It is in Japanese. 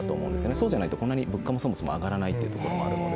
そうじゃないとこんなに物価も上がらないというのがあるので。